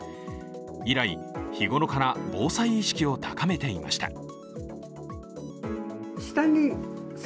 以来、日頃から防災意識を高めていました。